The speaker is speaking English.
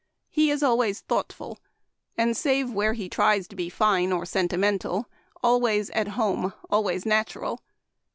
He is always thoughtful ; and, save where he tries to be fine or sentimental, always at home, always natural.